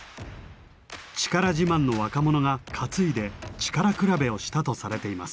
力自慢の若者が担いで力比べをしたとされています。